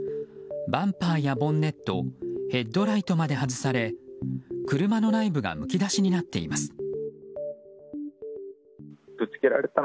バンパーやボンネットヘッドライトまで外され車の内部がむき出しになっています。